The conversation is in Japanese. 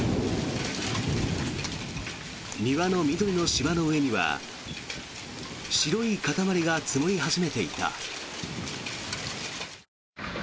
庭の緑の芝の上には白い塊が積もり始めていた。